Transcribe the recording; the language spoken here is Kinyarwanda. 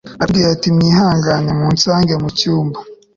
aratubwira ati mwihangane munsange mucyumba